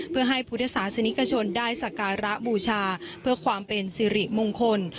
เพื่อให้พุทธศาสนิกชนได้สการะบูชาเพื่อความเป็นสิริมงคล